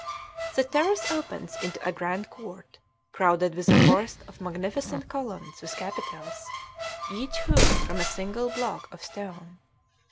The terrace opens into a grand court, crowded with a forest of magnificent columns with capitals, each hewn from a single block of stone.